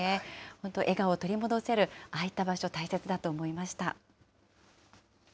本当笑顔を取り戻せるああいった場所、大切だと思いました。